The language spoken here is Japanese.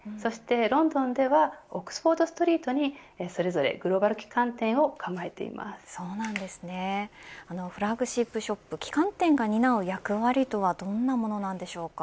ロンドンではオックスフォードストリートにそれぞれグローバル旗艦店をフラッグシップショップ旗艦店が担う役割とはどんなものでしょうか。